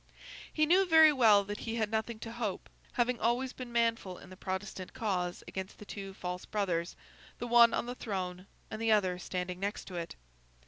He knew very well that he had nothing to hope, having always been manful in the Protestant cause against the two false brothers, the one on the throne, and the other standing next to it.